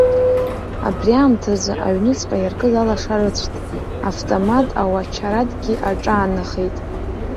Абри амҭазы аҩнуҵҟа иаркыз алашара ыцәт, автомат ауачарадгьы аҿаанахеит.